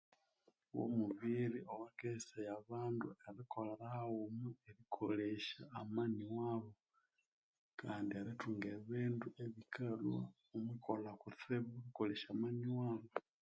Womubiri owakaghesaya abandu erikolera haghuma, erikolesya amani wabo kandi erithunga ebindu ebikalhwa omwi kolha kutsibu erikolesya amani wabo.